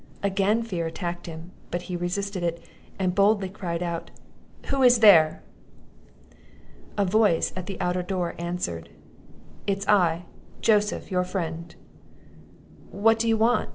Again fear attacked him, but he resisted it, and boldly cried out, "Who is there?" A voice at the outer door answered, "It's I; Joseph, your friend!" "What do you want?"